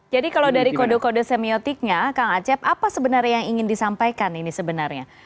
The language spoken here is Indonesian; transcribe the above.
jadi kalau dari kode kode semiotiknya kang acep apa sebenarnya yang ingin disampaikan ini sebenarnya